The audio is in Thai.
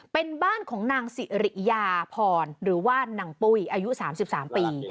เป็นบ้านของนางสิริยาพรหรือว่านางปุ้ยอายุ๓๓ปี